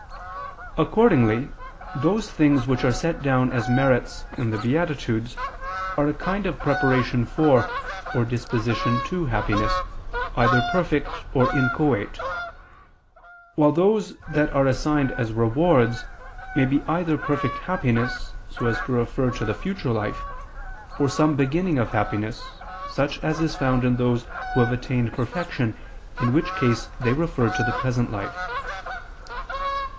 Accordingly, those things which are set down as merits in the beatitudes, are a kind of preparation for, or disposition to happiness, either perfect or inchoate: while those that are assigned as rewards, may be either perfect happiness, so as to refer to the future life, or some beginning of happiness, such as is found in those who have attained perfection, in which case they refer to the present life.